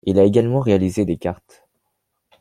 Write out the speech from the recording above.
Il a également réalisé des cartes.